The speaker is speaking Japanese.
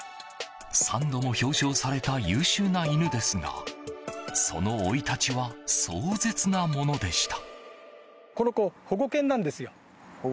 ３度も表彰された優秀な犬ですがその生い立ちは壮絶なものでした。